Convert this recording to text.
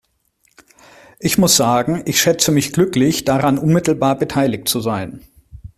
Ich muss sagen, ich schätze mich glücklich, daran unmittelbar beteiligt zu sein.